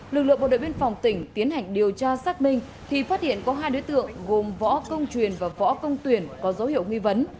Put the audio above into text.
lực lượng bộ đội biên phòng tỉnh tiến hành điều tra xác minh thì phát hiện có hai đối tượng gồm võ công truyền và võ công tuyển có dấu hiệu nghi vấn